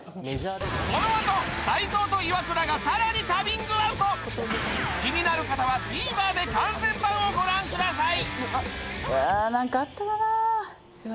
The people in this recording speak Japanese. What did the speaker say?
このあと斎藤とイワクラがさらに旅ングアウト気になる方はＴＶｅｒで完全版をご覧ください